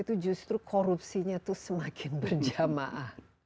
itu justru korupsinya itu semakin berjamaah